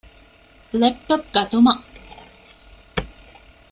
ލެޕްޓޮޕް ގަތުމަށް.